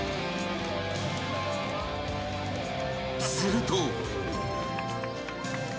［すると］